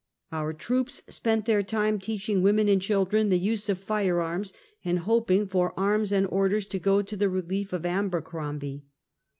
Our troops spent their time teaching women and children the use of fire arms, and hoping for arms and orders to go to the relief of Abercrom bie.